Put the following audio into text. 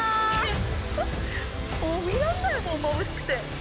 もう見られないもんまぶしくて。